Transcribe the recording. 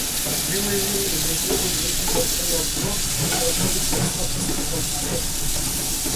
Neelyville is included within the Poplar Bluff Micropolitan Statistical Area.